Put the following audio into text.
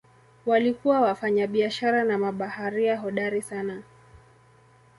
Walikuwa wafanyabiashara na mabaharia hodari sana.